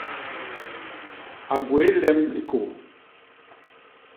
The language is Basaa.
A gwéé lem i kôô.